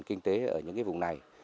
kinh tế ở những cái vùng này